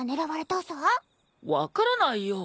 分からないよ。